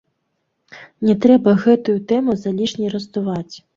Не трэба гэтую тэму залішне раздуваць.